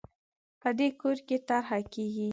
په دې کور کې طرحه کېږي